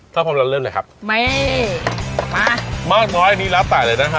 ถ้าพร้อมแล้วเริ่มเลยครับไม่มามากน้อยอันนี้แล้วแต่เลยนะฮะ